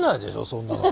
そんなの。